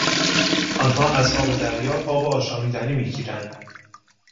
آنها از آب دریا آب آشامیدنی میگیرند.